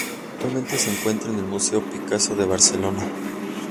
Actualmente se encuentra en el Museo Picasso de Barcelona.